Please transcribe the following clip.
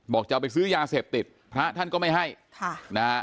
จะเอาไปซื้อยาเสพติดพระท่านก็ไม่ให้ค่ะนะฮะ